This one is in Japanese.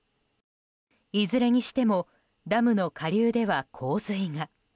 いずれにしてもダムの下流では洪水が。